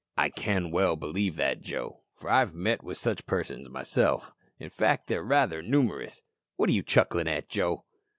"I can well believe that, Joe, for I have met with such persons myself; in fact, they are rather numerous. What are you chuckling at, Joe?"